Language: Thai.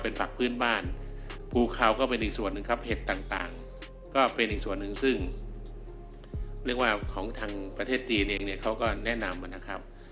เห็ดต่างก็เป็นอีกส่วนหนึ่งซึ่งเรียกว่าของทางประเทศจีนเองเนี่ยเขาก็แนะนำนะครับ